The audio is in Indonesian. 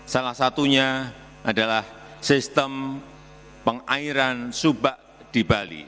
salah satunya adalah sistem pengairan subak di bali